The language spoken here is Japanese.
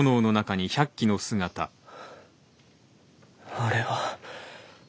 あれは。